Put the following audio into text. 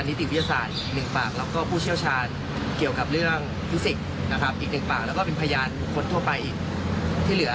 อีกหนึ่งปากจะเป็นพญานคนทั่วไปที่เหลือ